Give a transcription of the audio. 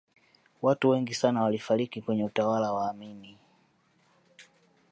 watu wengi sana walifariki kwenye utawala wa amini